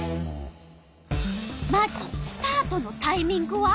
まずスタートのタイミングは？